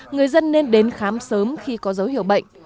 người dân nên đến khám sớm khi có dấu hiệu bệnh